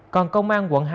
còn công an quận hai